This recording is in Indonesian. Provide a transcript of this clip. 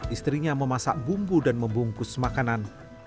istrinya memasak bumbu dan membungkus makanan